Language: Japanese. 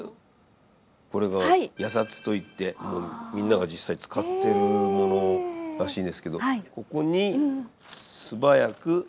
これが野冊と言ってみんなが実際使ってるものらしいんですけどここに素早く押すっていう。